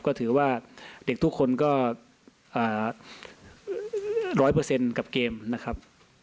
ก็ถือว่าเด็กทุกคนก็๑๐๐กับเกมนะครับ